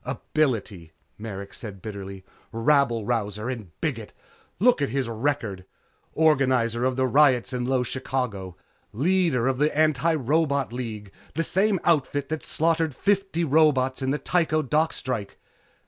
"Ability," Merrick said bitterly. "Rabble rouser and bigot! Look at his record. Organizer of the riots in Low Chicago. Leader in the Antirobot Labor League the same outfit that slaughtered fifty robots in the Tycho dock strike.